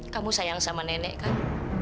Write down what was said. kamu sayang sama nenek kak